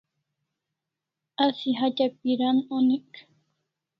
Asi hatya piran onik